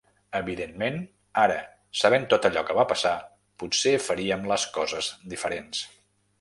Evidentment, ara, sabent tot allò que va passar, potser faríem les coses diferents.